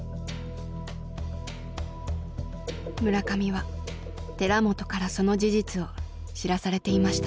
村上は寺本からその事実を知らされていました。